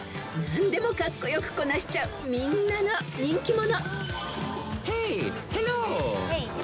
何でもカッコ良くこなしちゃうみんなの人気者］